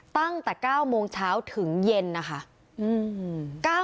ตั้งแต่๙โมงเช้าถึงเย็นนะคะ